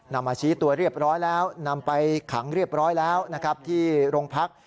มาชี้ตัวเรียบร้อยแล้วนำไปขังเรียบร้อยแล้วนะครับที่โรงพัก